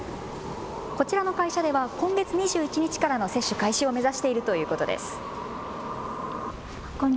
こちらの会社では今月２１日からの接種開始を目指しているということです。